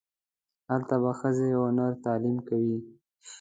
هلته به ښځې و نر تعلیم کوي.